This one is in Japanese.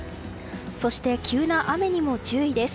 そして急な雨にも注意です。